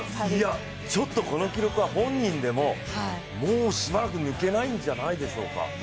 この記録は本人でも、もうしばらく抜けないんじゃないでしょうか。